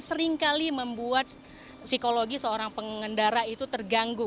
seringkali membuat psikologi seorang pengendara itu terganggu